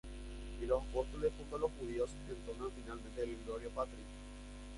Y los apóstoles, junto a los judíos, entonan finalmente el "Gloria Patri".